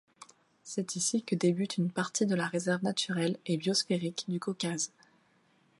C'est ici que débute une partie de la réserve naturelle et biosphérique du Caucase.